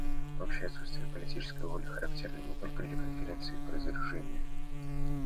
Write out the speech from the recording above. Общее отсутствие политической воли характерно не только для Конференции по разоружению.